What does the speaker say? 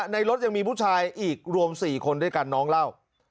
ในรถยังมีผู้ชายอีกรวม๔คนด้วยกันน้องเล่า